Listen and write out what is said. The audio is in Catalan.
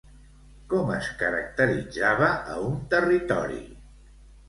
Com es caracteritzava a un territori?